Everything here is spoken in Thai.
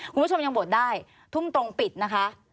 คุณผู้ชมยังบดได้ทุ่มตรงปิดนะคะ